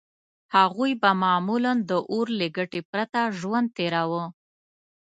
هغوی به معمولاً د اور له ګټې پرته ژوند تېراوه.